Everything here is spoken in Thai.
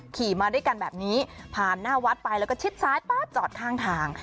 ขี่มาด้วยกันแบบนี้ผ่านหน้าวัดไปแล้วก็ชิดซ้ายปั๊บจอดข้างทาง